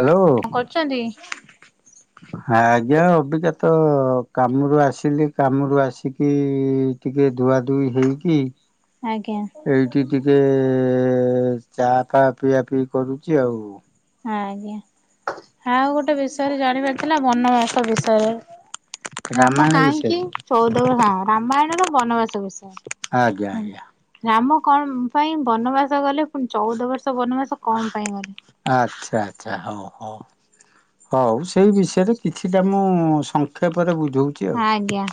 Hello କଣ କରୁଛନ୍ତି? ଆଜ୍ଞା ଅବିକା ତ କାମରୁ ଆସିଲି କାମରୁ ଆସିକି ଟିକେ ଧୁଆଧୁଇ ହେଇକି ଆଜ୍ଞା ଏଇଠି ଟିକେ ଚା ଫା ପିଆ ପିଇ କରୁଛି ଆଉ। ହଁ ଆଜ୍ଞା ଆଉ ଗୋଟେ ବିଷୟରେ ଜାଣିବାର ଥିଲା ବନବାସ ବିଷୟରେ। ରାମ ରାମାୟଣ କାହିଁକି ବିଷୟରେ ଚ [unintelligible] ରାମାୟଣ ର ବନବାସ ଆଜ୍ଞା ବିଷୟ ଆଜ୍ଞା ରାମ କଣ ପାଇଁ ବନବାସ ଗଲେ ପୁଣି ଚଉଦ ବର୍ଷ ବନବାସ କଣ ପାଇଁ ଗଲେ? ଆଚ୍ଛା ଆଚ୍ଛା ହଉ ହଉ। ହଉ ସେଇ ବିଷୟରେ କିଛିଟା ମୁଁ ସଂକ୍ଷେପରେ ବୁଝଉଛି ଆଉ। ଆଜ୍ଞା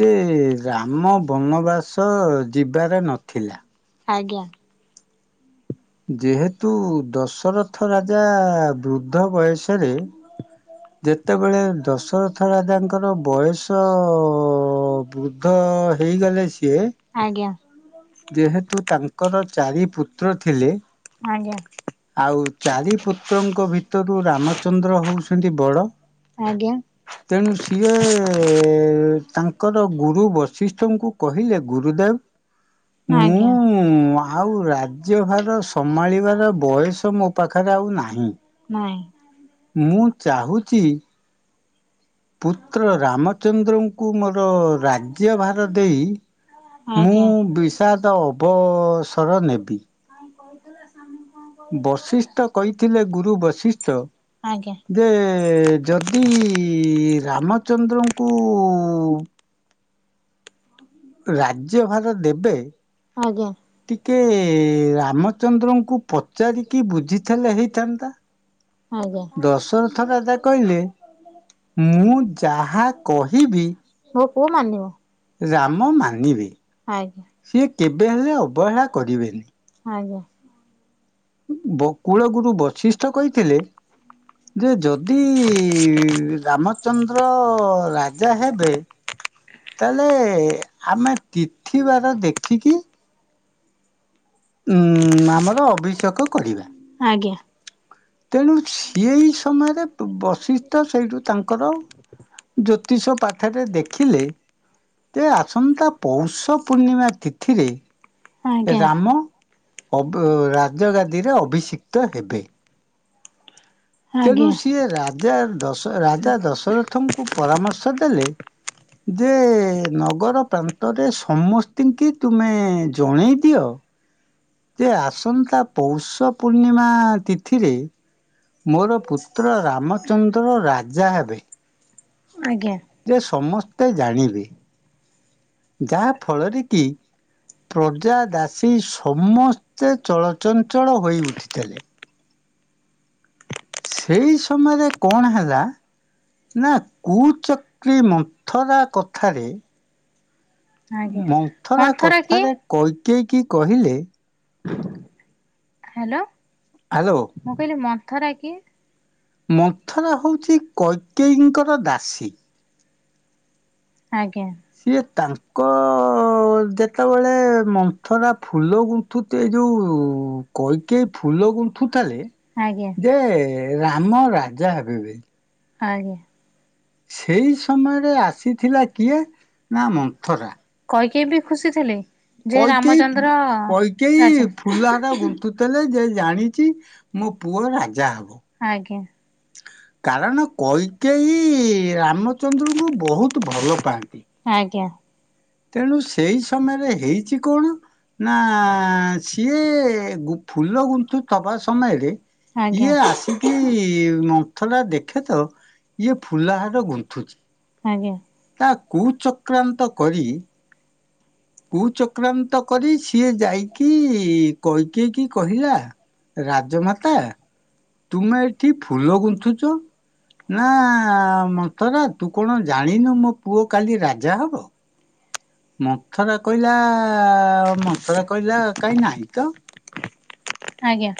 ଯେ ରାମ ବନବାସ ଯିବାରେ ନଥିଲା। ଆଜ୍ଞା। ଯେହେତୁ ଦଶରଥ ରାଜା ବୃଦ୍ଧ ବୟସରେ ଯେତେବେଳେ ଦଶରଥ ରାଜାଙ୍କର ବୟସ ବୃଦ୍ଧ ହେ ହେଇଗଲେ ସିଏ ଆଜ୍ଞା ଯେହେତୁ ତାଙ୍କର ଚାରି ପୁତ୍ର ଥିଲେ। ଆଜ୍ଞା। ଆଉ ଚାରି ପୁତ୍ରଙ୍କ ଭିତରୁ ରାମଚନ୍ଦ୍ର ହଉଛନ୍ତି ବଡ ଆଜ୍ଞା। ତେଣୁ ସିଏ ତାଙ୍କର ଗୁରୁ ବଶିଷ୍ଠଙ୍କୁ କହିଲେ ଗୁରୁଦେବ ଆଜ୍ଞା ମୁଁ ଆଉ ରାଜ୍ୟ ଭାର ସ ସମ୍ଭାଳିବାର ବୟସ ମୋ ପାଖରେ ଆଉ ନାହିଁ। ନାଇଁ ମୁଁ ଚାହୁଁଛି ପୁତ୍ର ରାମଚନ୍ଦ୍ରଙ୍କୁ ମୋର ରାଜ୍ୟଭାର ଦେଇ ମୁଁ ଆଜ୍ଞା। ବିଷାଦ ଅବସର ନେବି। [inaudible] ବଶିଷ୍ଠ କହିଥିଲେ, ଗୁରୁ ବଶିଷ୍ଠ ଆଜ୍ଞା ଯେ ଯଦି ରାମଚନ୍ଦ୍ରଙ୍କୁ ରାଜ୍ୟ ଭାର ଦେବେ ଆଜ୍ଞା। ଟିକେ ରାମଚନ୍ଦ୍ରଙ୍କୁ ପଚାରିକି ବୁଝିଥିଲେ ହେଇଥାନ୍ତା। ଆଜ୍ଞା। ଦଶରଥ ରାଜା ହୋ କହିଲେ କୋଉ ମୁଁ ମାନିବ! ଯାହା କହିବି ରାମ ଲାଗି ରାମ କେବେ ମାନିବେ। ହେଲେ ସିଏ ଅବହେଲା କେବେ ହେଲେ ଅବହେଳା କରିବେ କରିବେନି। ନାହିଁ। ଆଜ୍ଞା। ବକୁଳ କୂଳ ଗୁରୁ ବଶିଷ୍ଠ କହିଥିଲେ। ଯେ ଯଦି ରାମଚନ୍ଦ୍ର ରାଜା ହେବେ ତାହେଲେ ଆମେ ତିଥିବାର ଦେଖିକି ଉଁ ଆମର ଅଭିଷେକ କରିବା। ଆଜ୍ଞା ତେଣୁ ସେଇ ସମୟରେ ବଶିଷ୍ଟଠ ସେଇଠୁ ତାଙ୍କର ଜ୍ୟୋତିଷ ପାଠରେ ଦେଖିଲେ ଯେ ଆସନ୍ତା ପୌଷ ପୂର୍ଣ୍ଣିମା ତିଥିରେ ଆଜ୍ଞା। ରାମ। ରାଜ ଗାଦିରେ ଅଭିଷିକ୍ତ ହେବେ ତେଣୁ ଆଜ୍ଞା ସିଏ ରାଜାଶ ରାଜା ଦଶରଥଙ୍କୁ ପରାମର୍ଶ ଦେଲେ ଯେ ନଗର ପ୍ରାନ୍ତରେ ସମସ୍ତିଙ୍କି ତୁମେ ଜଣେଇ ଦିଅ। ଯେ ଆସନ୍ତା ପୌଷ ପୂର୍ଣ୍ଣିମା ତିଥିରେ ମୋର ପୁତ୍ର ରାମଚନ୍ଦ୍ର ରାଜା ହେବେ ଆଜ୍ଞା ଯେ ସମସ୍ତେ ଜାଣିବେ ଯାହା ଫଳରେ କି ପ୍ରଜା ଦାସୀ ସମସ୍ତେ ଚଳଚଞ୍ଚଳ ହୋଇ ଉଠିଥିଲେ ସେଇ ସମୟରେ କଣ ହେଲା ନା କୁଚକ୍ରି ମନ୍ଥରା କଥାରେ ଆଜ୍ଞା। ମନ୍ଥରା କଥାରେ କଇକଇକି କହିଲେ ହ୍ୟାଲୋ ଆଲୋ ମୁଁ କହିଲି ମନ୍ଥରା କିଏ? ମନ୍ଥରା ହେଉଛି କୈକୟୀଙ୍କର ଦାସୀ। ଆଜ୍ଞା ସିଏ ତାଙ୍କ ଯେତେବେଳେ ମନ୍ଥରା ଫୁଲ ଗୁଣ୍ଠୁଛି ଏ ଯୋଉ ଉଁ କୈକେୟୀ ଫୁଲ ଗୁନ୍ଥୁଥିଲେ ଆଜ୍ଞା ଯେ ରାମ ରାଜା ହେବେ ବେବେ ଆଜ୍ଞା। ସେଇ ସମୟରେ ଆସିଥିଲା କିଏ? ନା ମନ୍ଥରା ସେଏ ବି ଖୁସି ଥିଲେ? ଯେ କହିଇକେଇ ରାମଚନ୍ଦ୍ର କହିଇକେଇ ରାଜା ଫୁଲା ହାର ଗୁନ୍ଥୁଥିଲେ ଯେ ଜାଣିଛି ମୋ ପୁଅ ରାଜା ହବ ଆଜ୍ଞା କାରଣ କୈକେଇ ରାମଚନ୍ଦ୍ରଙ୍କୁ ବହୁତ ଭଲ ପାଆନ୍ତି। ଆଜ୍ଞା। ତେଣୁ ସେଇ ସମୟରେ ହେଇଛି କଣ? ନା ସିଏ ଫୁଲ ଗୁଥୁ ବା ସମୟରେ ଆଜ୍ଞା ଇଏ ଆସିକି ମନ୍ଥରା ଦେଖେ ତ ଇଏ ଫୁଲା ହାର ଗୁନ୍ଥୁଛି। ଆଜ୍ଞା। ତା କୁଚକ୍ରାନ୍ତ କରି ତୁ ଚକ୍ରାନ୍ତ କରି ସିଏ, ଯାଇକି କହିକେଇକି କହିଲା ରାଜମାତା ତୁମେ ଏଠି ଫୁଲ ଗୁନ୍ଥୁଛ- ନା ମଥରା ତୁ କଣ ଜାଣିନୁ ମୋ ପୁଅ କାଲି ରାଜା ହବ। ମଥରା କହିଲା ମଥରା କହିଲା କହିଁ ନାହିଁ ତ ଆଜ୍ଞା।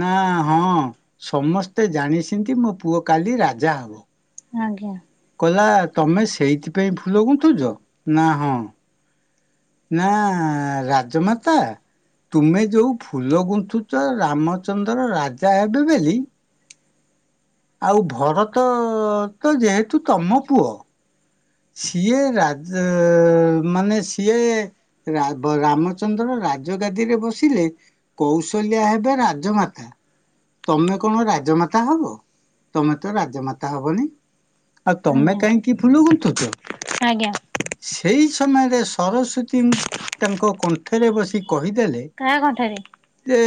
ନା ହଁ ସମସ୍ତେ ଜାଣି ସେଛନ୍ତି, ମୋ ପୁଅ କାଲି ରାଜା ହବ ଆଜ୍ଞା। କହିଲା ତମେ ସେଇଥିପାଇଁ ଫୁଲ ଗୁଥୁଚ ନା ହଁ। ନା ରାଜମାତା। ତୁମେ ଯୋଉ ଫୁଲ ଗୁନ୍ଥୁଛ ରାମଚନ୍ଦ୍ର ରାଜା ହେବେ ବଲି। ଆଉ ଭରତ ତ ଯେହେତୁ ତମ ପୁଅ। ସିଏ ରାଜ ମାନେ ସିଏ ରାବ ରାମଚନ୍ଦ୍ର ରା ରାଜ ଗାଦିରେ ବସିଲେ କୌଶଲ୍ୟା ହେବେ ରାଜମାତା। ତମେ କଣ ରାଜମାତା ହବ। ତମେ ତ ରାଜମାତା ହବନି ଆଉ ତମେ ଆଜ୍ଞା କାହିଁକି ଫୁଲ ଗୁନ୍ଥୁଚ। ଆଜ୍ଞା। ସେଇ ସମୟରେ ସରସ୍ଵତୀ ତାଙ୍କ କଣ୍ଠରେ ବସି କହିଦେଲେ। କାହା କଣ୍ଠରେ ଯେ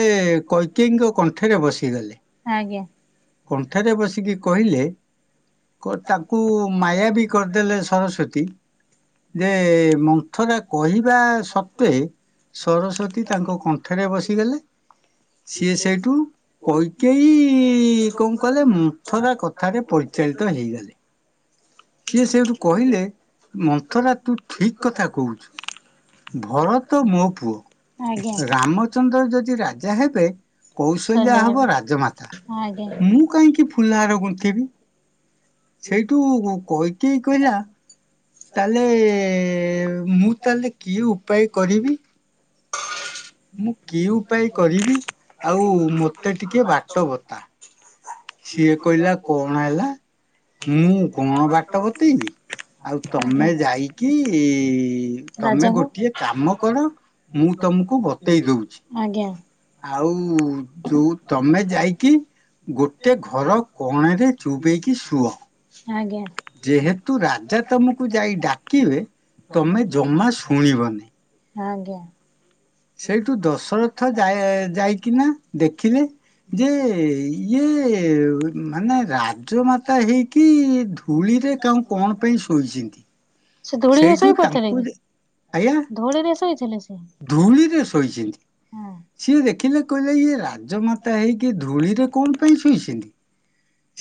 କୈକେଇଙ୍କ କଣ୍ଠରେ ବସିଗଲେ। ଆଜ୍ଞା [inaudible] କଣ୍ଠରେ ବସିକି କହିଲେ ତାଙ୍କୁ ମାୟା ବି କରିଦେଲେ। ସରସ୍ଵତୀ ଯେ ମନ୍ଥରା କହିବା ସତ୍ୱେ ସରସ୍ଵତୀ ତାଙ୍କ କଣ୍ଠରେ ବସିଗଲେ। ସିଏ ସେଇଠୁ କୈକେଇ କଣ କଲେ ମୁଥରା କଥାରେ ପଇ ଚେନ୍ତଳ ହେଇଗଲେ [inaudible] ସିଏ ସେଠୁ କହିଲେ ମନ୍ଥରା ତୁ ଠିକ୍ କଥା କହୁଛୁ। ଭରତ ମୋ ପୁଅ ଆଜ୍ଞା। ରାମଚନ୍ଦ୍ର ଯଦି ରାଜା ହେବେ କୌଶଲ୍ୟା ସନ୍ଧ୍ୟା ହେବ ହବ ରାଜମାତା ଆଜ୍ଞା। ମୁଁ କାହିଁକି ଫୁଲହାର ଗୁନ୍ଥିବି। ସେଇଠୁଉ କୈକେଇ କହିଲା। ତାହଲେ ମୁଁ ତାହେଲେ କିଏ ଉପାୟ କରିବି। [inaudible] ମୁଁ କି ଉପାୟ କରିବି ଆଉ ମତେ ଟିକେ ବାଟ ବତା। ସିଏ କହିଲା କଣ ହେଲା ମୁଁ କଣ ବାଟ ବତେଇବି। ଆଉ ଆଜ୍ଞା। ତମେ ଯାଇକି ତମେ ରାଜାଙ୍କୁ ଗୋଟିଏ କାମ କର। ମୁଁ ତମକୁ ବତେଇ ଦଉଛି। ଆଜ୍ଞା ଆଉ ଯୋଉ ତମେ ଯାଇକି ଗୋଟେ ଘର କୋଣରେ ଚୁପ୍ ହେଇକି ଶୁଅ। ଆଜ୍ଞା ଯେହେତୁ ରାଜା ତମକୁ ଯାଇ ଡାକିବେ। ତମେ ଜମା ଶୁଣିବନି। ଆଜ୍ଞା। ସେଇଠୁ ଦଶରଥ ଯାଆ ଯାଇକିନା ଦେଖିଲେ। ଯେ ଇଏ ମାନେ ରାଜ୍ୟ ମା ଏଟା ହେଇକି ଧୂଳିରେ କଉ କଣ ପାଇଁ ଶୋଇଚିନ୍ତି? ସେ ଧୂଳିରେ ସେଇଠୁ ଶୋଇ ପଡିଥିଲେ ତାଙ୍କୁ କି ଆଜ୍ଞା ଧୂଳିରେ ଶୋଇଥିଲେ ସେ [inaudible] ଧୂଳିରେ ଶୋଇଚିନ୍ତି। ହଁ ସିଏ ଦେଖିଲେ କହିଲେ ଇଏ ରାଜମାତା ହେଇକି ଧୂଳିରେ କଣ ପାଇଁ ଶୋଇଚିନ୍ତି।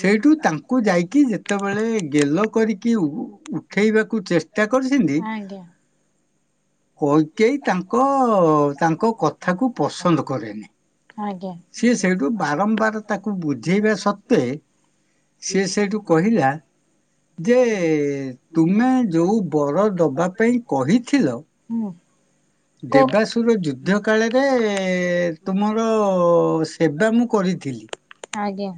ସେଇଠୁ ତାଙ୍କୁ ଯାଇକି ଯେତେବେଳେ ଗେଲ କରିକି ଉ ଉଠେଇବାକୁ ଚେ ଟା କରିଛିନ୍ତି। ଆଜ୍ଞା। [inaudible] କୈକେଇ ତାଙ୍କ ତାଙ୍କ କଥାକୁ ପସନ୍ଦ କରେନି। ଆଜ୍ଞା ସିଏ ସେଇଠୁ ବାରମ୍ବାର ତାକୁ ବୁଝେଇବା ସତ୍ତ୍ୱେ ସେ ସେଠୁ କହିଲା ଯେ ତୁମେ ଯୋଉ ବର ଦବା ପାଇଁ କହିଥିଲ? ଉଁ। ଦେବାଶୁର ଯୁଦ୍ଧ କାଳରେ ତୁମର ସେବା ମୁଁ କ ଥିଲି ଆଜ୍ଞା।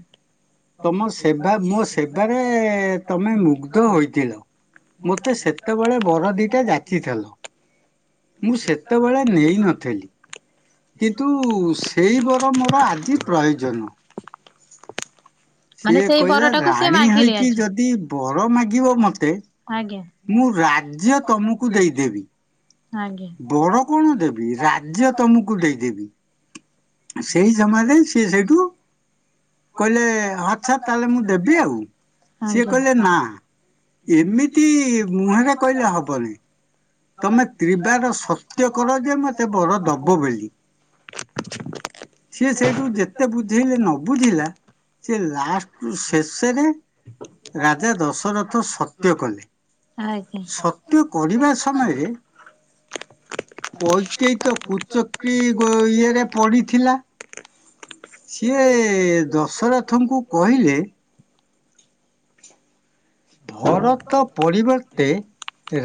ତମ ସେବା ମୋ ସେବାରେ ତମେ ମୁଗ୍ଧ ହୋଇଥିଲ। ମୋତେ ସେତେବେଳେ ବର ଦିଟା ଯାଚିଥିଲ। ମୁଁ ସେତବେଳେ ନେଇନଥିଲି। କିନ୍ତୁ ସେଇ ବର ମୋର ଆଜି ପ୍ରୟୋଜନ ମାନେ ସିଏ ସେଇ କହିଲା ବରଟାକୁ ସିଏ ରାଣୀ ମାଗିଲେ ହେଇକି ଆଜି। ଯଦି ବର ମାଗିବ ମତେ ଆଜ୍ଞା ମୁଁ ରାଜ୍ୟ ତମକୁ ଦେଇଦେବି। ଆଜ୍ଞା ବଡ କଣ ଦେବି ରାଜ୍ୟ ତମକୁ ଦେଇଦେବି। ସେଇ ସମୟରେ ସିଏ ସେଇଠୁ କହିଲେ ଆଚ୍ଛା ତାହେଲେ ମୁଁ ଦେବି ଆଉ ସିଏ କହିଲେ ନାଁ ଏମିତି ମୁହଁରେ କହିଲେ ହବନି। ତମେ ତ୍ରିବାର ସତ୍ୟ କର ଯେ ମତେ ବର ଦବ ବୋଲି। ସିଏ ସେଇଠୁ ଯେତେ ବୁଝେଇଲେ ନ ବୁଝି ହେଲା ସେ ଲାଷ୍ଟକୁ ଶେଷରେ ରାଜା ଦଶରଥ ସତ୍ୟ କଲେ ଆଜ୍ଞା। ସତ୍ୟ କରିବା ସମୟରେ କୈକେଇ କ କୁଚକି ଗ ଇଏରେ ପଡିଥିଲା। ସିଏ ଦଶରଥଙ୍କୁ କହିଲେ ଭରତ ପରିବର୍ତ୍ତେ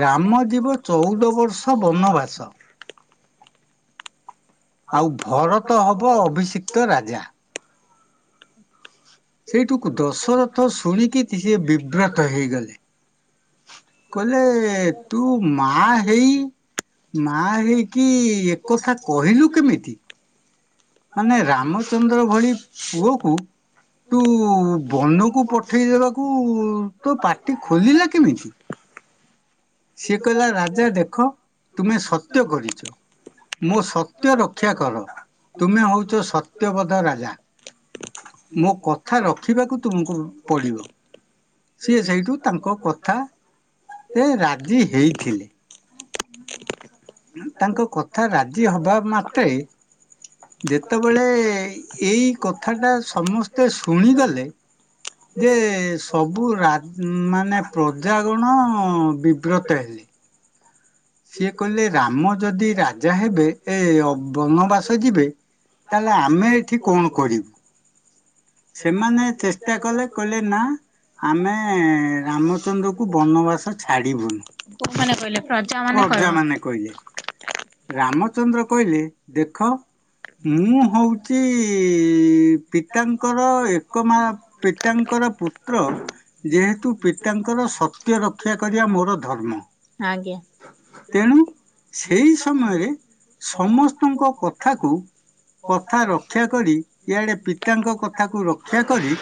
ରାମ ଯିବ ଚଉଦ ବର୍ଷ ବନବାସ। ଆଉ ଭରତ ହବ ଅଭିଷିକ୍ତ ରାଜା। ସେଇଟୁକୁ ଦଶରଥ ଶୁଣିକି ସିଏ ବିବ୍ରତ ହେଇଗଲେ। କହିଲେ ତୁ ମା ହେଇ ମା ହେଇକି ଏକଥା କହିଲୁ କେମିତି? ମାନେ ରାମଚନ୍ଦ୍ର ଭଳି ପୁଅ ଅଁ ତୁ ବନକୁ ପଠେଇ ଦେବାକୁ ତୋ ପାଟି ଖୋଲିଲା କେମିତି? ସିଏ କହିଲା ରାଜା ଦେଖ ତୁମେ ସତ୍ୟ କରିଚ। ମୋ ସତ୍ୟ ରକ୍ଷା କର ତୁମେ ହଉଛ ସତ୍ୟବଦ ରାଜା। ମୋ କଥା ରଖିବାକୁ ତୁମକୁ ପଡିବ। ସିଏ ସେଇଠୁ ତାଙ୍କ କଥା ରେ ରାଜି ହେଇଥିଲେ। ତାଙ୍କ କଥା ରାଜି ହବା ମାତ୍ରେ ଯେତେବେଳେ ଏ ଏଇ କଥାଟା ସମସ୍ତେ ଶୁଣିଦେଲେ। ଯେ ସବୁ ରା ମାନେ ପ୍ରଜା ଗଣ ବିବ୍ରତ ହେଲେ। [inaudible] ସିଏ କହିଲେ ରାମ ଯଦି ରାଜା ହେବେ ଏ ବନବାସ ଯିବେ ତାହେଲେ ଆମେ ଏଠି କଣ କରିବୁ? ସେମାନେ ଚେଷ୍ଟା କଲେ କହିଲେ ନା ଆମେ ରାମଚନ୍ଦ୍ର କୁ ବନବାସ ଛାଡିବୁନୁ। କୋଉମାନେ କହିଲେ ମାନେ ପ୍ରଜା କହିଲେ। ମାନେ କହିଲେ। ରାମଚନ୍ଦ୍ର କହିଲେ ଦେଖ ମୁଁ ହଉଛି ପିତାଙ୍କର ଏକ ମା ପିତାଙ୍କର ପୁତ୍ର ଯେହେତୁ ପିତାଙ୍କର ସତ୍ୟ ରକ୍ଷା କରିବା ମୋର ଧର୍ମ। ଆଜ୍ଞା। ତେଣୁ ସେଇ ସମୟରେ ସମସ୍ତଙ୍କ କଥାକୁ କଥା ରକ୍ଷା କରି ଇଆଡେ ପିତାଙ୍କ କଥାକୁ ରକ୍ଷା କରି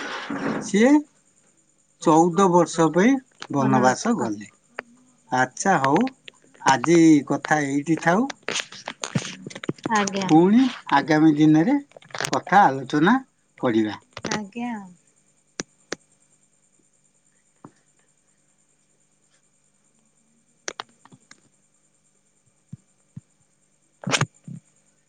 ସିଏ ଚଉଦ ବର୍ଷ ପାଇଁ ବନବାସ ଗଲେ। ଆଛା ହଉ ଆଜି କଥା ଏଇ ଥାଉ ଆଜ୍ଞା ପୁଣି ଆଗାମୀ ଦିନରେ କ ଏକ ଆଲୋଚନା କରିବା। ଆଜ୍ଞା। [inaudible]